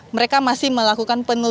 mereka masih melakukan penelusuran